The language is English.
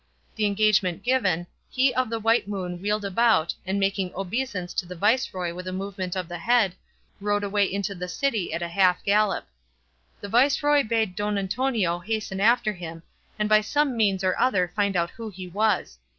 The engagement given, he of the White Moon wheeled about, and making obeisance to the viceroy with a movement of the head, rode away into the city at a half gallop. The viceroy bade Don Antonio hasten after him, and by some means or other find out who he was.